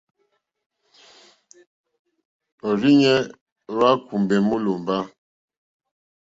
Òrzìɲɛ́ hwá kùmbè mólòmbá.